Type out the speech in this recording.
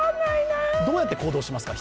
どうやって行動しますか？